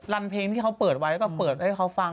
รันเพลงที่เขาเปิดไว้ก็เปิดให้เขาฟัง